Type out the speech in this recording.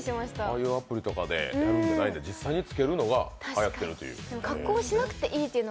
ああいうアプリとかじゃなくて実際につけるのがはやっているという。